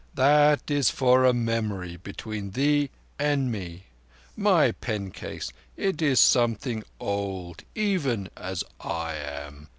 "That is for a memory between thee and me—my pencase. It is something old—even as I am."